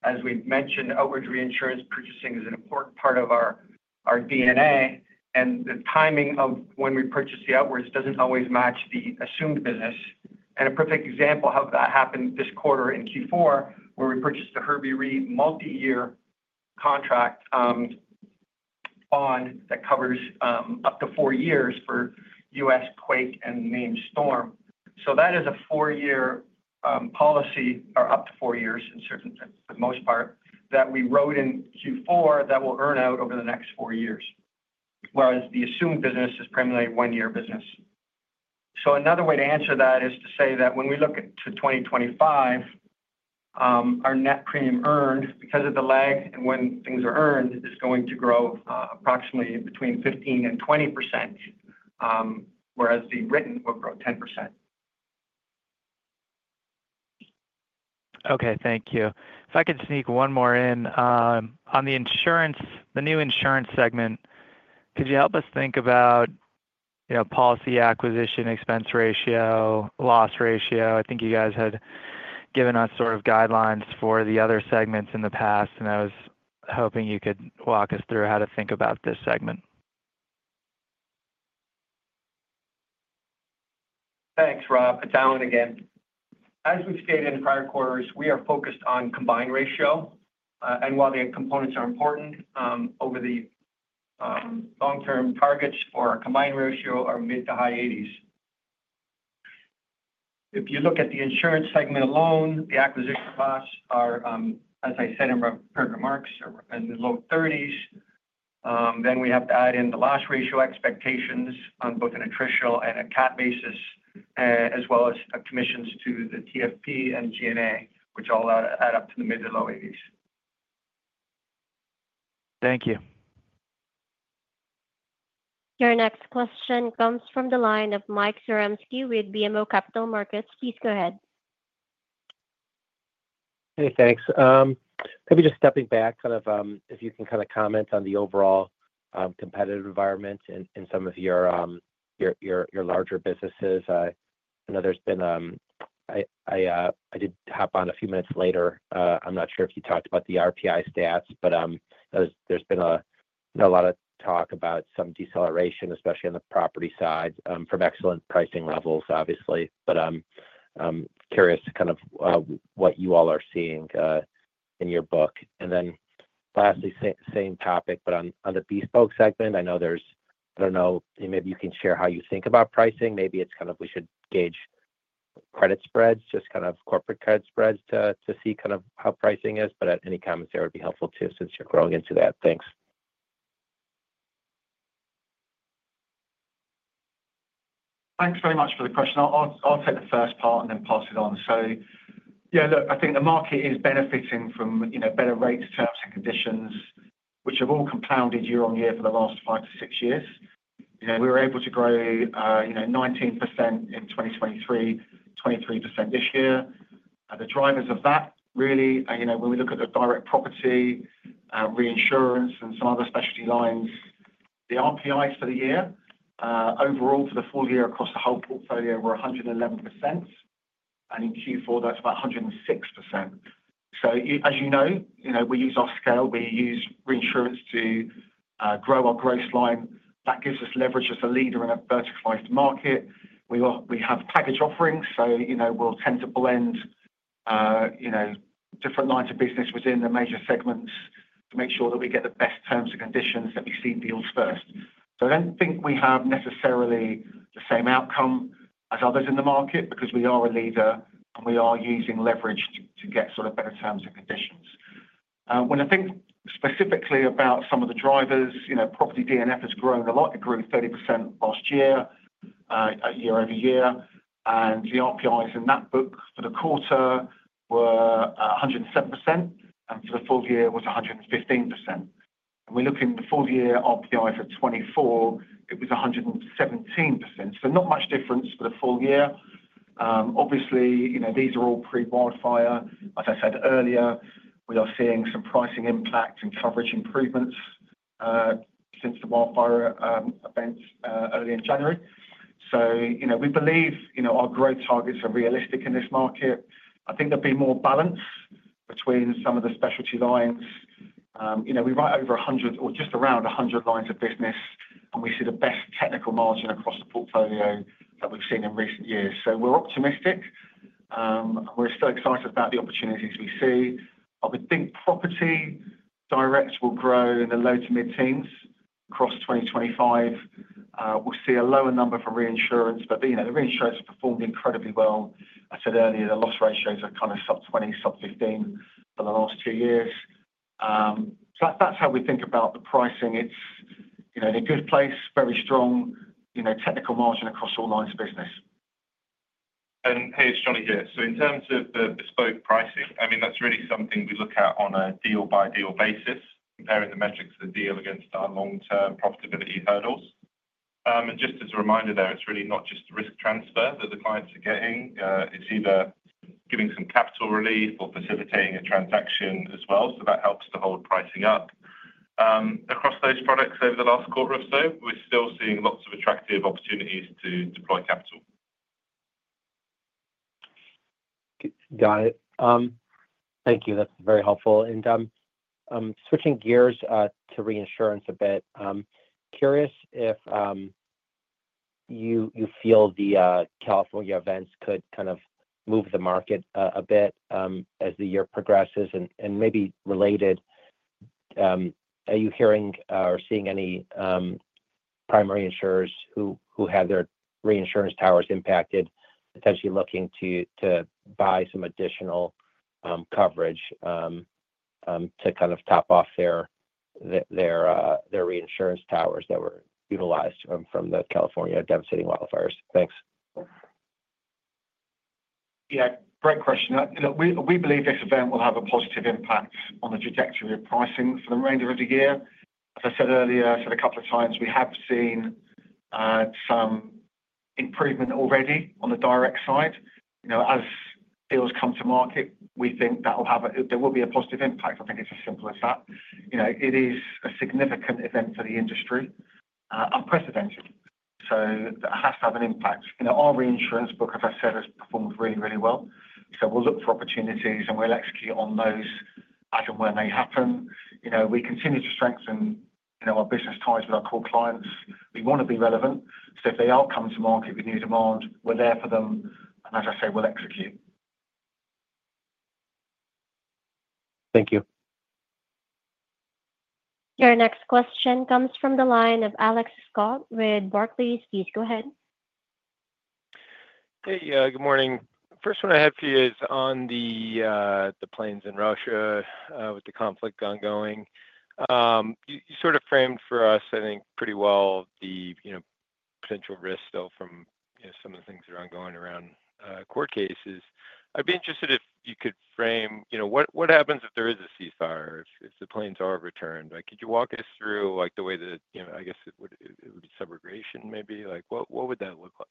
As we've mentioned, outwards Reinsurance purchasing is an important part of our DNA, and the timing of when we purchase the outwards doesn't always match the assumed business, and a perfect example of how that happened this quarter in Q4, where we purchased a Herbie Re multi-year contract bond that covers up to four years for U.S. quake and named storm. So that is a four-year policy or up to four years in certain for the most part that we wrote in Q4 that will earn out over the next four years, whereas the assumed business is primarily one-year business. So another way to answer that is to say that when we look to 2025, our net premium earned because of the lag and when things are earned is going to grow approximately between 15% and 20%, whereas the written will grow 10%. Okay. Thank you. If I could sneak one more in. On the new Insurance segment, could you help us think about policy acquisition expense ratio, loss ratio? I think you guys had given us sort of guidelines for the other segments in the past, and I was hoping you could walk us through how to think about this segment. Thanks, Rob. It's Allan again. As we've stated in prior quarters, we are focused on Combined Ratio. And while the components are important, over the long-term targets for our Combined Ratio are mid- to high 80s%. If you look at the Insurance segment alone, the acquisition costs are, as I said in my remarks, in the low 30s%. Then we have to add in the loss ratio expectations on both an attritional and a CAT basis, as well as commissions to the TFP and G&A, which all add up to the mid- to low 80s%. Thank you. Your next question comes from the line of Mike Zaremski with BMO Capital Markets. Please go ahead. Hey, thanks. Maybe just stepping back, kind of if you can kind of comment on the overall competitive environment in some of your larger businesses. I know there's been, I did hop on a few minutes later. I'm not sure if you talked about the RPI stats, but there's been a lot of talk about some deceleration, especially on the property side, from excellent pricing levels, obviously, but curious kind of what you all are seeing in your book, and then lastly, same topic, but on the Bespoke segment, I know there's, I don't know, maybe you can share how you think about pricing. Maybe it's kind of we should gauge credit spreads, just kind of corporate credit spreads to see kind of how pricing is, but any comments there would be helpful too since you're growing into that. Thanks. Thanks very much for the question. I'll take the first part and then pass it on. So yeah, look, I think the market is benefiting from better rate terms and conditions, which have all compounded year on year for the last five to six years. We were able to grow 19% in 2023, 23% this year. The drivers of that, really, when we look at the Direct Property, Reinsurance, and some other specialty lines, the RPIs for the year, overall for the full year across the whole portfolio, were 111%. And in Q4, that's about 106%. So as you know, we use our scale. We use Reinsurance to grow our growth line. That gives us leverage as a leader in a verticalized market. We have package offerings, so we'll tend to blend different lines of business within the major segments to make sure that we get the best terms and conditions that we see deals first. So I don't think we have necessarily the same outcome as others in the market because we are a leader and we are using leverage to get sort of better terms and conditions. When I think specifically about some of the drivers, Property D&F has grown a lot. It grew 30% last year, year-over-year, and the RPIs in that book for the quarter were 107%, and for the full year was 115%. And we're looking at the full year RPI for 2024, it was 117%, so not much difference for the full year. Obviously, these are all pre-wildfire. As I said earlier, we are seeing some pricing impact and coverage improvements since the wildfire events early in January. So we believe our growth targets are realistic in this market. I think there'll be more balance between some of the specialty lines. We write over 100 or just around 100 lines of business, and we see the best technical margin across the portfolio that we've seen in recent years. So we're optimistic, and we're still excited about the opportunities we see. I would think property directs will grow in the low to mid-teens across 2025. We'll see a lower number for Reinsurance, but the Reinsurance has performed incredibly well. I said earlier, the loss ratios are kind of sub-20, sub-15 for the last two years. So that's how we think about the pricing. It's in a good place, very strong technical margin across all lines of business. Hey, it's Jonny here. In terms of the bespoke pricing, I mean, that's really something we look at on a deal-by-deal basis, comparing the metrics of the deal against our long-term profitability hurdles. Just as a reminder there, it's really not just the risk transfer that the clients are getting. It's either giving some capital relief or facilitating a transaction as well. That helps to hold pricing up. Across those products over the last quarter or so, we're still seeing lots of attractive opportunities to deploy capital. Got it. Thank you. That's very helpful, and switching gears to Reinsurance a bit, curious if you feel the California events could kind of move the market a bit as the year progresses and maybe related. Are you hearing or seeing any primary insurers who have their Reinsurance towers impacted potentially looking to buy some additional coverage to kind of top off their Reinsurance towers that were utilized from the California devastating wildfires? Thanks. Yeah, great question. We believe this event will have a positive impact on the trajectory of pricing for the remainder of the year. As I said earlier, I said a couple of times, we have seen some improvement already on the direct side. As deals come to market, we think there will be a positive impact. I think it's as simple as that. It is a significant event for the industry, unprecedented, so that has to have an impact. Our Reinsurance book, as I said, has performed really, really well, so we'll look for opportunities, and we'll execute on those as and when they happen. We continue to strengthen our business ties with our core clients. We want to be relevant. So if they are coming to market with new demand, we're there for them, and as I say, we'll execute. Thank you. Your next question comes from the line of Alex Scott with Barclays. Please go ahead. Hey, good morning. First one I have for you is on the planes in Russia with the conflict ongoing. You sort of framed for us, I think, pretty well the potential risk still from some of the things that are ongoing around court cases. I'd be interested if you could frame what happens if there is a ceasefire, if the planes are returned. Could you walk us through the way that I guess it would be subrogation maybe? What would that look like?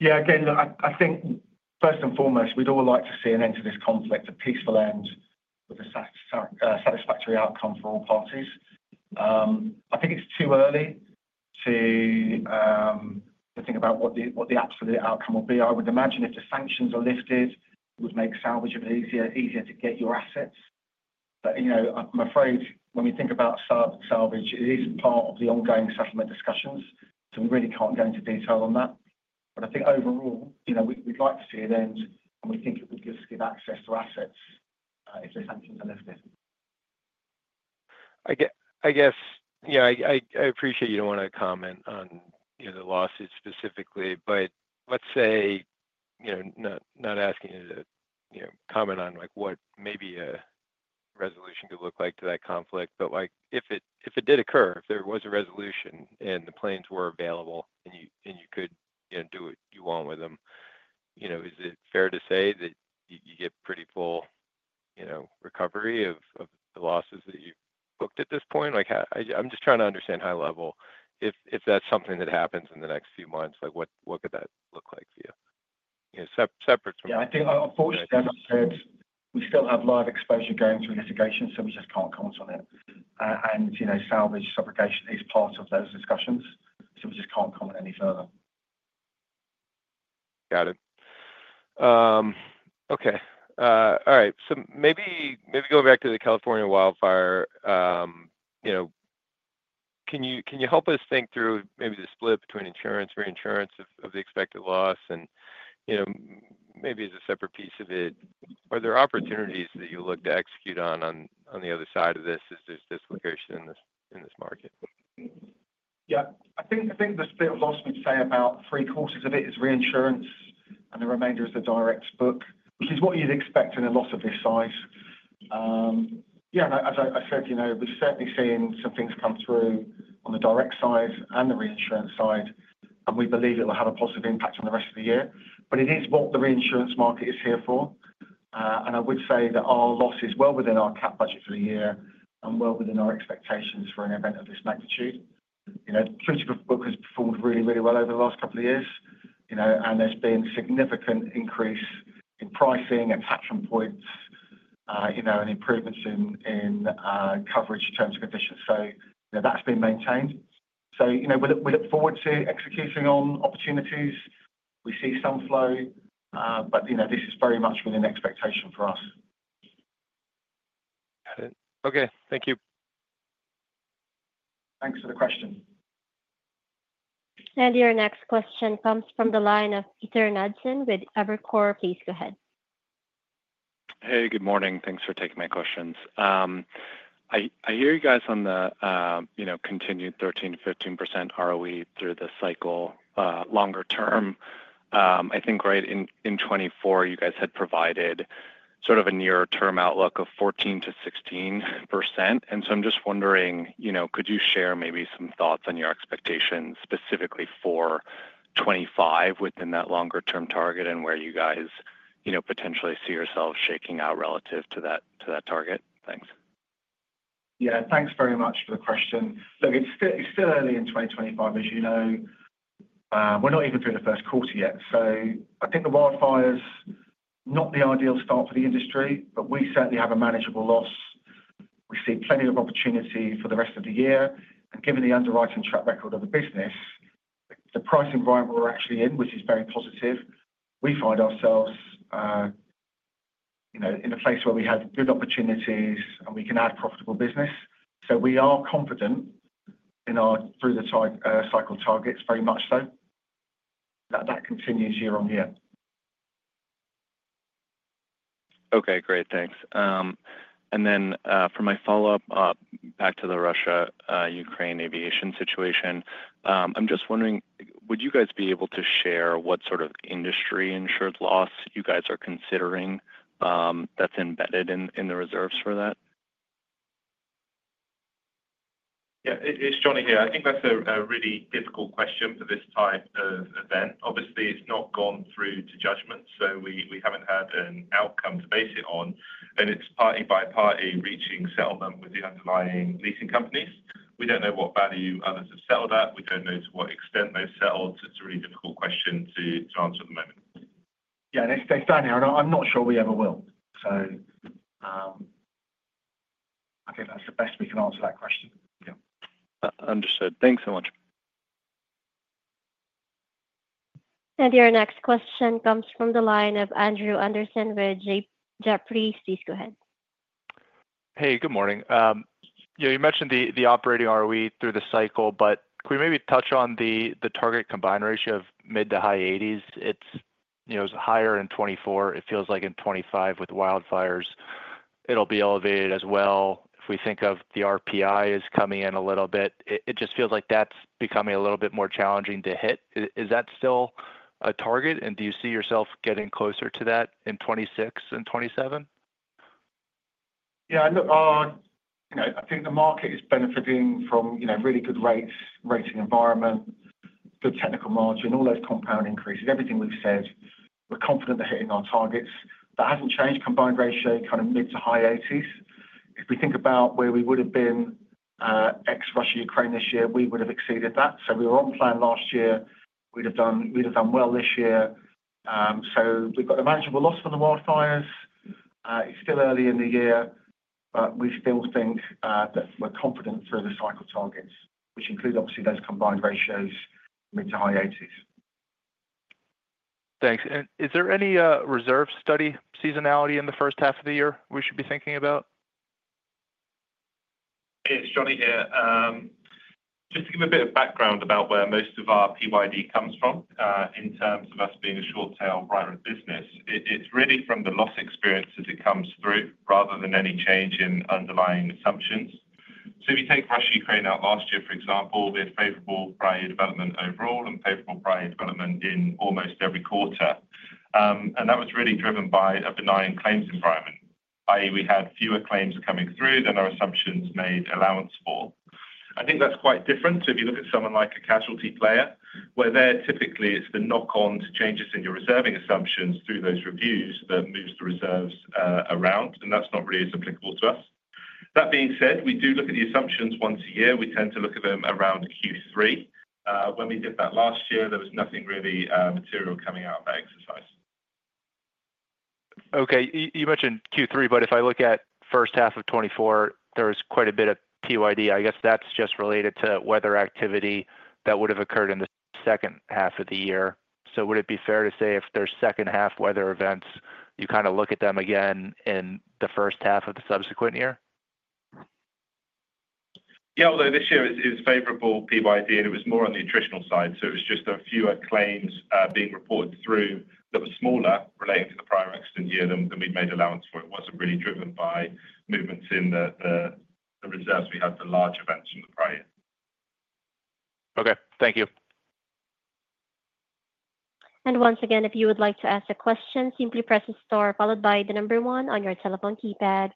Yeah. Again, I think first and foremost, we'd all like to see an end to this conflict, a peaceful end with a satisfactory outcome for all parties. I think it's too early to think about what the absolute outcome will be. I would imagine if the sanctions are lifted, it would make salvage a bit easier to get your assets. But I'm afraid when we think about salvage, it is part of the ongoing settlement discussions. So we really can't go into detail on that. But I think overall, we'd like to see an end, and we think it would just give access to assets if the sanctions are lifted. I guess I appreciate you don't want to comment on the lawsuit specifically, but let's say not asking you to comment on what maybe a resolution could look like to that conflict. But if it did occur, if there was a resolution and the planes were available and you could do what you want with them, is it fair to say that you get pretty full recovery of the losses that you've booked at this point? I'm just trying to understand high level. If that's something that happens in the next few months, what could that look like for you? Separate from. Yeah. Unfortunately, as I said, we still have live exposure going through litigation, so we just can't comment on it. And salvage subrogation is part of those discussions, so we just can't comment any further. Got it. Okay. All right. So maybe going back to the California wildfire, can you help us think through maybe the split between Insurance, Reinsurance of the expected loss? And maybe as a separate piece of it, are there opportunities that you look to execute on on the other side of this as there's dislocation in this market? Yeah. I think the split of loss we'd say about three-quarters of it is Reinsurance, and the remainder is the direct book, which is what you'd expect in a loss of this size. Yeah. And as I said, we're certainly seeing some things come through on the direct side and the Reinsurance side, and we believe it will have a positive impact on the rest of the year. But it is what the Reinsurance market is here for. And I would say that our loss is well within our CAT budget for the year and well within our expectations for an event of this magnitude. The truth of the book has performed really, really well over the last couple of years, and there's been a significant increase in pricing, attachment points, and improvements in coverage terms and conditions. So that's been maintained. So we look forward to executing on opportunities. We see some flow, but this is very much within expectation for us. Got it. Okay. Thank you. Thanks for the question. Your next question comes from the line of Peter Knudsen with Evercore. Please go ahead. Hey, good morning. Thanks for taking my questions. I hear you guys on the continued 13%-15% ROE through the cycle longer term. I think right in 2024, you guys had provided sort of a near-term outlook of 14%-16%. And so I'm just wondering, could you share maybe some thoughts on your expectations specifically for 2025 within that longer-term target and where you guys potentially see yourselves shaking out relative to that target? Thanks. Yeah. Thanks very much for the question. Look, it's still early in 2025, as you know. We're not even through the Q1 yet. So I think the wildfires not the ideal start for the industry, but we certainly have a manageable loss. We see plenty of opportunity for the rest of the year. And given the underwriting track record of the business, the pricing environment we're actually in, which is very positive, we find ourselves in a place where we have good opportunities and we can add profitable business. So we are confident in our through-the-cycle targets, very much so. That continues year on year. Okay. Great. Thanks, and then for my follow-up back to the Russia-Ukraine aviation situation, I'm just wondering, would you guys be able to share what sort of industry insured loss you guys are considering that's embedded in the reserves for that? Yeah. It's Jonny here. I think that's a really difficult question for this type of event. Obviously, it's not gone through to judgment, so we haven't had an outcome to base it on. And it's party-by-party reaching settlement with the underlying leasing companies. We don't know what value others have settled at. We don't know to what extent they've settled. It's a really difficult question to answer at the moment. Yeah. They're standing out. I'm not sure we ever will. So I think that's the best we can answer that question. Yeah. Understood. Thanks so much. Your next question comes from the line of Andrew Andersen with Jefferies. Please go ahead. Hey, good morning. You mentioned the operating ROE through the cycle, but could we maybe touch on the target combined ratio of mid to high 80s? It was higher in 2024. It feels like in 2025 with wildfires, it'll be elevated as well. If we think of the RPI is coming in a little bit, it just feels like that's becoming a little bit more challenging to hit. Is that still a target, and do you see yourself getting closer to that in 2026 and 2027? Yeah. I think the market is benefiting from a really good rates rating environment, good technical margin, all those compound increases, everything we've said. We're confident they're hitting our targets. That hasn't changed. Combined ratio kind of mid- to high 80s%. If we think about where we would have been ex-Russia-Ukraine this year, we would have exceeded that. So we were on plan last year. We'd have done well this year. So we've got a manageable loss for the wildfires. It's still early in the year, but we still think that we're confident through the cycle targets, which include obviously those combined ratios mid- to high 80s%. Thanks. And is there any reserve study seasonality in the first half of the year we should be thinking about? It's Jonny here. Just to give a bit of background about where most of our PYD comes from in terms of us being a short-tail buyer of business, it's really from the loss experience as it comes through rather than any change in underlying assumptions. So if you take Russia-Ukraine out last year, for example, we had favorable prior development overall and favorable prior development in almost every quarter. And that was really driven by a benign claims environment, i.e., we had fewer claims coming through than our assumptions made allowance for. I think that's quite different. So if you look at someone like a casualty player, where there typically it's the knock-on to changes in your reserving assumptions through those reviews that moves the reserves around, and that's not really as applicable to us. That being said, we do look at the assumptions once a year. We tend to look at them around Q3. When we did that last year, there was nothing really material coming out of that exercise. Okay. You mentioned Q3, but if I look at first half of 2024, there was quite a bit of PYD. I guess that's just related to weather activity that would have occurred in the second half of the year. So would it be fair to say if there's second-half weather events, you kind of look at them again in the first half of the subsequent year? Yeah. Although this year is favorable PYD, and it was more on the attritional side, so it was just a fewer claims being reported through that were smaller relating to the prior accident year than we'd made allowance for. It wasn't really driven by movements in the reserves we had for large events from the prior. Okay. Thank you. Once again, if you would like to ask a question, simply press the star followed by the number one on your telephone keypad.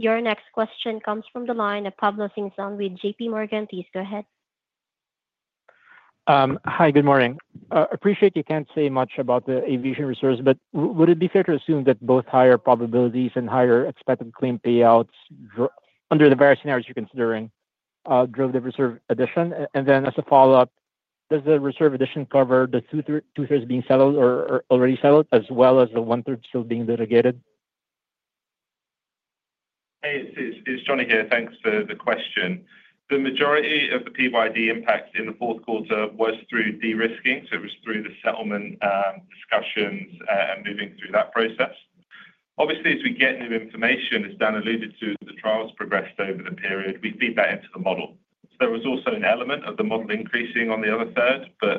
Your next question comes from the line of Pablo Singzon with JPMorgan. Please go ahead. Hi, good morning. I appreciate you can't say much about the aviation reserves, but would it be fair to assume that both higher probabilities and higher expected claim payouts under the various scenarios you're considering drove the reserve addition? And then as a follow-up, does the reserve addition cover the two-thirds being settled or already settled, as well as the one-third still being litigated? Hey, it's Jonny here. Thanks for the question. The majority of the PYD impact in the Q4 was through derisking, so it was through the settlement discussions and moving through that process. Obviously, as we get new information, as Dan alluded to, as the trials progressed over the period, we feed that into the model, so there was also an element of the model increasing on the other third, but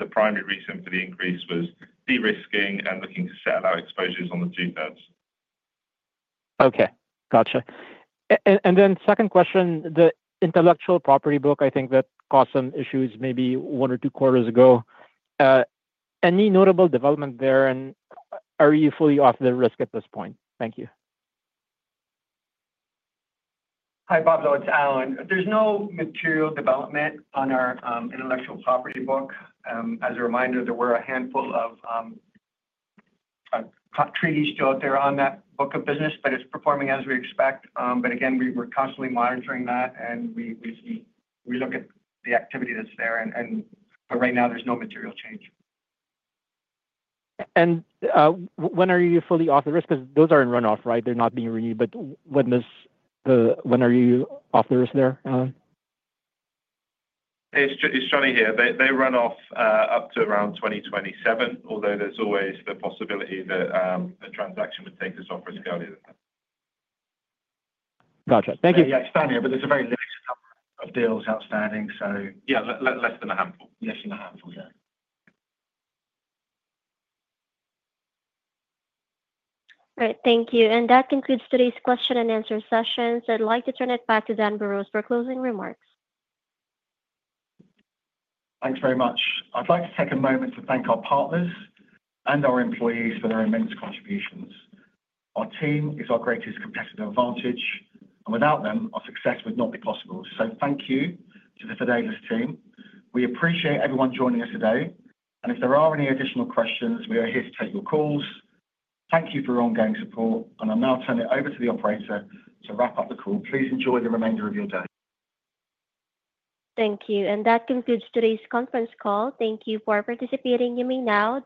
the primary reason for the increase was derisking and looking to settle out exposures on the two-thirds. Okay. Gotcha. And then second question, the intellectual property book, I think that caused some issues maybe one or two quarters ago. Any notable development there, and are you fully off the risk at this point? Thank you. Hi, Pablo. It's Allan. There's no material development on our intellectual property book. As a reminder, there were a handful of treaties still out there on that book of business, but it's performing as we expect. But again, we're constantly monitoring that, and we look at the activity that's there. But right now, there's no material change. And when are you fully off the risk? Because those are in runoff, right? They're not being renewed. But when are you off the risk there, Allan? It's Jonny here. They run off up to around 2027, although there's always the possibility that a transaction would take us off risk earlier than that. Gotcha. Thank you. Yeah. It's Dan here, but there's a very limited number of deals outstanding, so less than a handful. Yeah, less than a handful, yeah. All right. Thank you. And that concludes today's question and answer session. So I'd like to turn it back to Dan Burrows for closing remarks. Thanks very much. I'd like to take a moment to thank our partners and our employees for their immense contributions. Our team is our greatest competitive advantage. And without them, our success would not be possible. So thank you to the Fidelis team. We appreciate everyone joining us today. And if there are any additional questions, we are here to take your calls. Thank you for your ongoing support. And I'll now turn it over to the operator to wrap up the call. Please enjoy the remainder of your day. Thank you. That concludes today's conference call. Thank you for participating with me now.